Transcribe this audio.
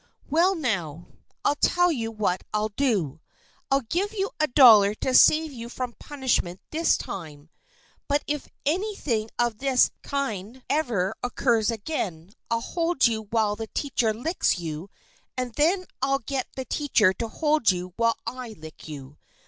"Well, now, I'll tell you what I'll do. I'll give you a dollar to save you from punishment this time, but if anything of this kind ever occurs again I'll hold you while the teacher licks you and then I'll get the teacher to hold you while I lick you.